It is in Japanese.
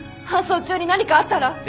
搬送中に何かあったら。